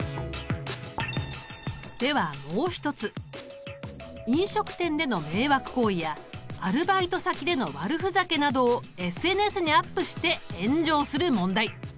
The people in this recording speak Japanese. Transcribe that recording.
ではもう一つ飲食店での迷惑行為やアルバイト先での悪ふざけなどをＳＮＳにアップして炎上する問題。